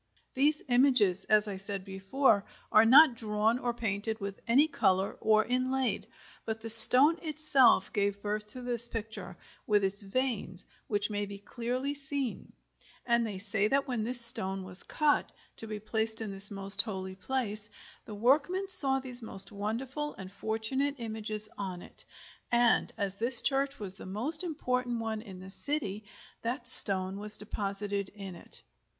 These images, as I said before, are not drawn or painted with any color, or inlaid, but the stone itself gave birth to this picture, with its veins, which may be clearly seen; and they say that when this stone was cut, to be placed in this most holy place, the workman saw these most wonderful and fortunate images on it, and, as this church was the most important one in the city, that stone was deposited in it.